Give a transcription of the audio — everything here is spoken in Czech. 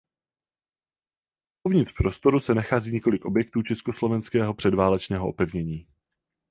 Uvnitř prostoru se nachází několik objektů československého předválečného opevnění.